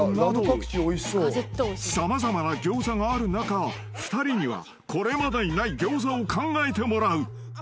［様々な餃子がある中２人にはこれまでにない餃子を考えてもらう］